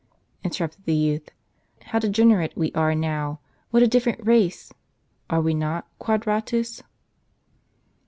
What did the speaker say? interrupted the youth ;" how degenerate we are now ! What a different race ! Are we not, Quadratus?"